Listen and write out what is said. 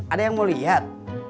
ada yang mau liat